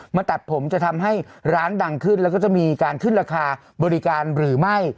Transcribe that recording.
ตัดผมจะทำให้ร้านดังขึ้นแล้วก็จะมีการขึ้นราคาบริการหรือไม่